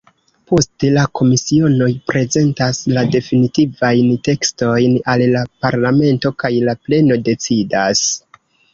Poste la komisionoj prezentas la definitivajn tekstojn al la parlamento, kaj la pleno decidas.